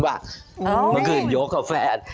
เมื่อคืนยกกับแฟน